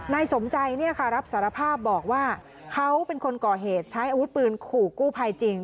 นายสมใจรับสารภาพบอกว่าเขาเป็นคนก่อเหตุใช้อาวุธปืนขู่กู้ภัยจริง